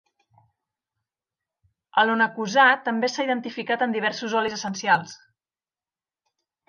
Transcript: El nonacosà també s'ha identificat en diversos olis essencials.